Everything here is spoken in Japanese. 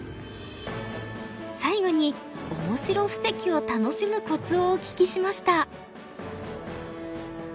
最後にオモシロ布石を楽しむコツをお聞きしました。